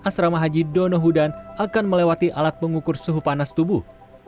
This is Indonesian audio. asrama haji donohudan akan melewati alat pengukur suhu panas tubuh